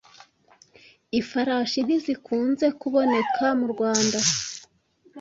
Ifarashi ntizikunze kuboneka mu Rwanda